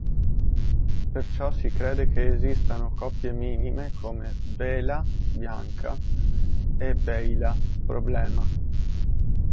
Perciò si crede che esistano coppie minime come бела "bianca" vs беља "problema".